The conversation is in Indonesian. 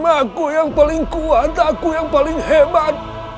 aku yang paling kuat aku yang paling hebat